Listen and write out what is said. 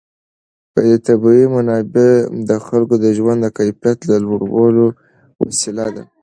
طبیعي منابع د خلکو د ژوند د کیفیت لوړولو وسیله ده.